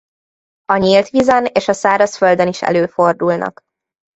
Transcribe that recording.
A nyílt vízen és a szárazföldön is előfordulnak.